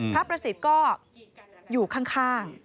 พระประสิทธิ์ก็อยู่ข้าง